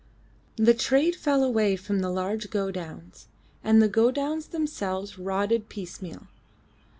The trade fell away from the large godowns, and the godowns themselves rotted piecemeal.